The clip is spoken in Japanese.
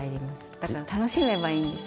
だから楽しめばいいんです。